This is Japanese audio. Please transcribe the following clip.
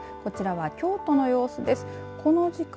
こちらは京都の様子です。